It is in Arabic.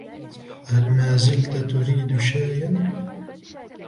هل مازلتَ تريد شاياً؟